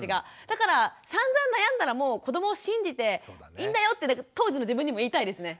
だからさんざん悩んだらもう子どもを信じていいんだよって当時の自分にも言いたいですね。